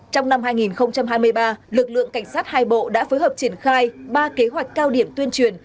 trong năm hai nghìn hai mươi ba lực lượng cảnh sát hai bộ đã phối hợp triển khai ba kế hoạch cao điểm tuyên truyền